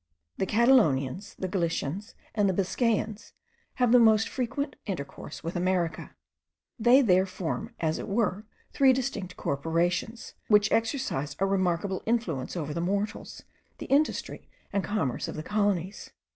The Catalonians, the Galicians, and the Biscayans, have the most frequent intercourse with America. They there form as it were three distinct corporations, which exercise a remarkable influence over the morals, the industry, and commerce of the colonies.